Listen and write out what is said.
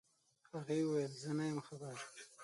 هغې وويل زه نه يم خبر.